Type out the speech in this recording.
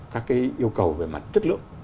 các cái yêu cầu về mặt chất lượng